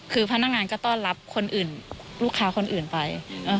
คือพนักงานก็ต้อนรับคนอื่นลูกค้าคนอื่นไป